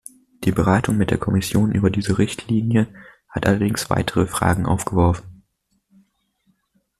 Die Beratung mit der Kommission über diese Richtlinie hat allerdings weitere Fragen aufgeworfen.